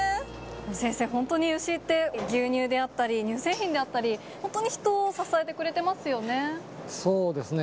先生、本当に牛って、牛乳であったり、乳製品であったり、本当にそうですね。